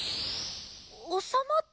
おさまった？